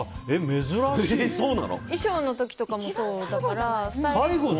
衣装の時とかもそうだから。